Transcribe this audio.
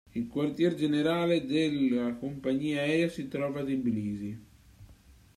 Il quartier generale della compagnia aerea si trova a Tbilisi.